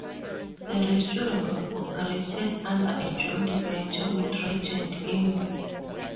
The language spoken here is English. The restaurant was operated under a joint venture with Regent Inns.